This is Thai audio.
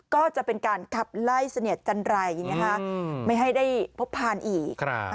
ก็จะเป็นการขับไล่เสนียดจันไรไม่ให้ได้พบพานอีก